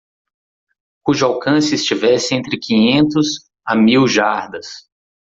cujo alcance estivesse entre quinhentos a mil jardas.